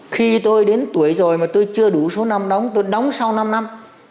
khi tôi đến tuổi rồi mà tôi chưa đủ số năm đóng tôi đóng sau năm năm